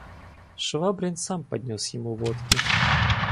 Швабрин сам поднес ему водки.